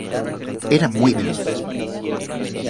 Era muy veloz.